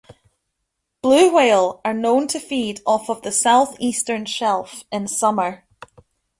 Blue whale are known to feed off of the southeastern shelf in summer.